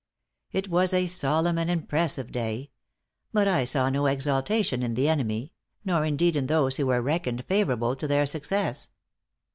It was a solemn and impressive day; but I saw no exultation in the enemy, nor indeed in those who were reckoned favorable to their success.